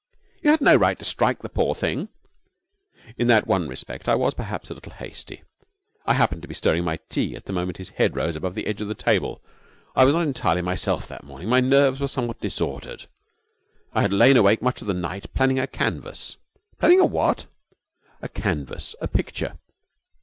'You had no right to strike the poor thing.' 'In that one respect I was perhaps a little hasty. I happened to be stirring my tea at the moment his head rose above the edge of the table. I was not entirely myself that morning. My nerves were somewhat disordered. I had lain awake much of the night planning a canvas.' 'Planning a what?' 'A canvas a picture.'